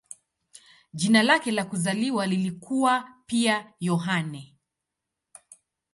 Jina lake la kuzaliwa lilikuwa pia "Yohane".